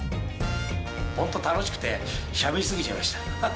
本当、楽しくて、しゃべり過ぎちゃいました。